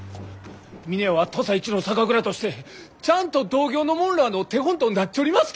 峰屋は土佐一の酒蔵としてちゃあんと同業の者らあの手本となっちょりますき！